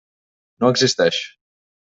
No existeix.